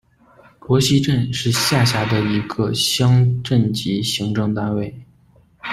罗溪镇是下辖的一个乡镇级行政单位。